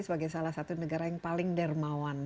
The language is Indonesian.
sebagai salah satu negara yang paling dermawan